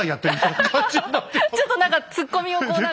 ちょっと何かツッコミをこう何か。